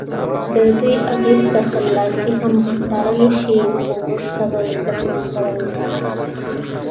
ددې اغېز که سملاسي هم ښکاره نه شي خو وروسته به یې ذهن کړنګوي.